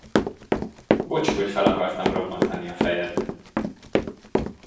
Bocs, hogy fel akartam robbantani a fejed!